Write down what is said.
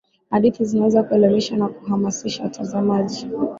hadithi zinaweza kuelimisha na kuhamasisha watazamaji